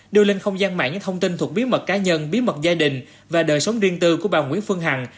đưa lên không gian mạng những thông tin thuộc bí mật cá nhân bí mật gia đình và đời sống riêng tư của bà nguyễn phương hằng